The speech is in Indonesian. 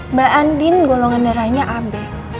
mbak andin golongan darahnya abe